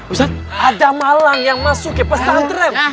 misalnya ada malang yang masuk ke pesantren